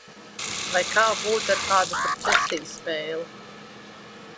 Vai kā būtu ar kādu parčesi spēli?